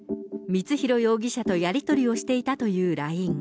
光弘容疑者とやり取りをしていたというＬＩＮＥ。